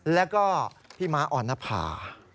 แล้วก็พี่ม้าออนภา